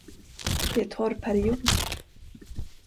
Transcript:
Det är torrperiod.